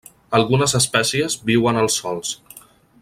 Algunes espècies viuen als sòls.